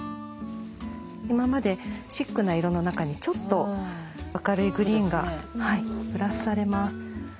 今までシックな色の中にちょっと明るいグリーンがプラスされます。